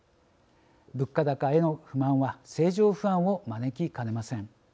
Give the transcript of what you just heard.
物価高への不満は政情不安を招きかねません。